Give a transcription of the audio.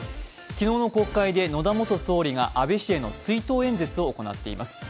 昨日の国会で野田元総理が野田元総理が安倍氏への追悼演説を行っています。